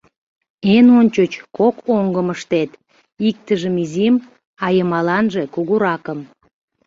Эн ончыч кок оҥгым ыштет: иктыжым изим, а йымаланже кугуракым.